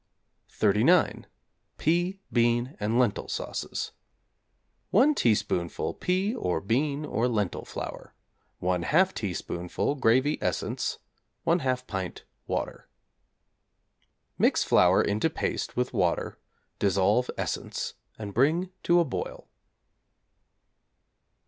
=39. Pea, Bean, and Lentil Sauces= 1 teaspoonful pea , or bean , or lentil flour; 1/2 teaspoonful gravy essence, 1/2 pint water. Mix flour into paste with water, dissolve essence, and bring to a boil.